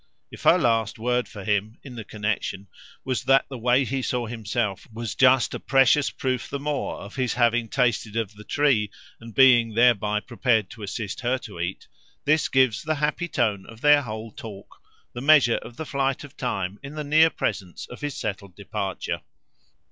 If her last word for him in the connexion was that the way he saw himself was just a precious proof the more of his having tasted of the tree and being thereby prepared to assist her to eat, this gives the happy tone of their whole talk, the measure of the flight of time in the near presence of his settled departure.